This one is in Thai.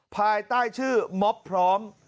ภายใต้ชื่อม็อบพร้อม